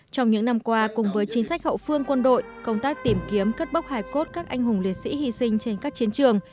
trong những năm qua cùng với chính sách hậu phương quân đội công tác tìm kiếm cất bóc hải cốt các anh hùng liệt sĩ hy sinh trên các chiến trường